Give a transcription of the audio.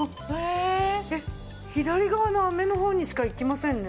えっ左側のアメの方にしか行きませんね。